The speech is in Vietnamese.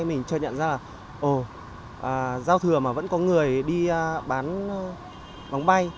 mình chưa nhận ra là ồ giao thừa mà vẫn có người đi bán bóng bay